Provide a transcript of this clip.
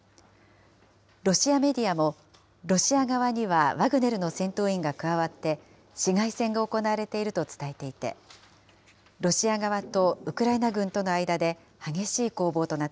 ロシアメディアも、ロシア側にはワグネルの戦闘員が加わって市街戦が行われていると伝えていて、ロシア側とウクライナ軍との間で、激しい攻防となっ